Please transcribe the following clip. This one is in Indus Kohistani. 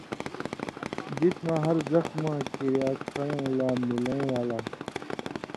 جسماں ہر زخماں کریا کھن٘ڑؤں لا مِلَیں والا